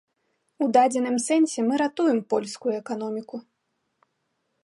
У дадзеным сэнсе мы ратуем польскую эканоміку.